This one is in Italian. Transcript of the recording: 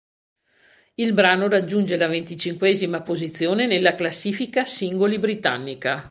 Il brano raggiunge la venticinquesima posizione nella classifica singoli britannica.